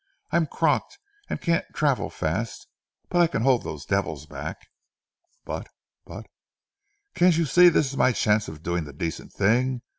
I'm crocked, and can't travel fast, but I can hold those devils back." "But but " "Can't you see this is my chance of doing the decent thing?